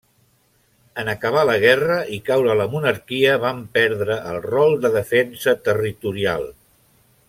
En acabar la guerra i caure la monarquia, van perdre el rol de defensa territorial.